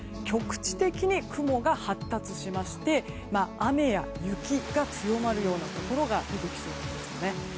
局地的に雲が発達しまして雨や雪が強まるようなところが出てきそうなんですね。